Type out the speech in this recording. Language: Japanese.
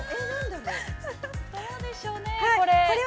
どうでしょうね、これ。